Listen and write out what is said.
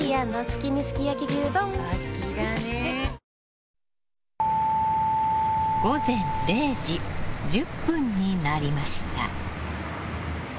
ニトリ午前０時１０分になりました。